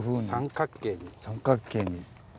三角形に。